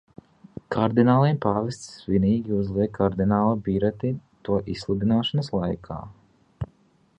Kardināliem pāvests svinīgi uzliek kardināla bireti to izsludināšanas laikā.